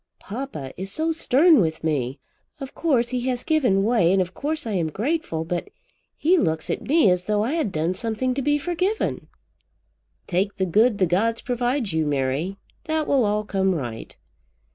"Papa is so stern with me. Of course he has given way, and of course I am grateful. But he looks at me as though I had done something to be forgiven." "Take the good the gods provide you, Mary. That will all come right."